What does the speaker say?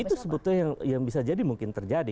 itu sebetulnya yang bisa jadi mungkin terjadi